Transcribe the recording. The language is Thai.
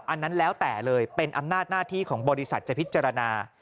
อันนั้นแล้วแต่เลยเป็นอำนาจหน้าที่ของบริษัทจะพิจารณา